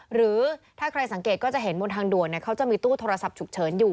หรือถ้าใครสังเกตเขายังจะเห็นมันทางดัวนมีตู้โทรแสบฉุกเฉินอยู่